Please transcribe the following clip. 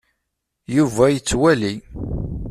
Yuba yettwali.